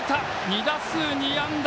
２打数２安打！